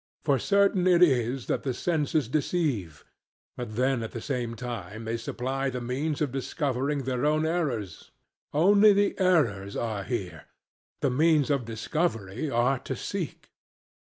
For certain it is that the senses deceive; but then at the same time they supply the means of discovering their own errors; only the errors are here, the means of discovery are to seek.